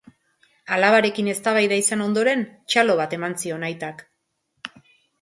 Alabarekin eztabaida izan ondoren, txalo bat eman zion aitak.